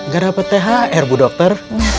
gak dapat thr bu dokter